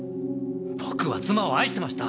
僕は妻を愛してました！